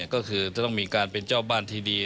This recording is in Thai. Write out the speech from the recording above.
ก็คือจะต้องมีการเป็นเจ้าบ้านที่ดี